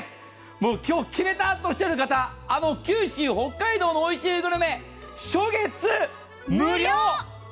もう今日、決めたとおっしゃる方、九州、北海道のおいしいグルメ、初月無料！